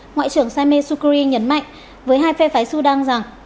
ngoại trưởng say sukri nhấn mạnh với hai phe phái sudan rằng